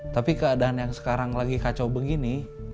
tapi keadaan yang sekarang lagi kacau begini